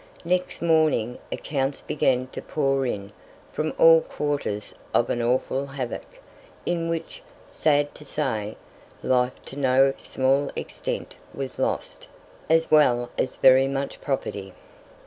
Next morning accounts began to pour in from all quarters of an awful havoc, in which, sad to say, life to no small extent was lost, as well as very much property.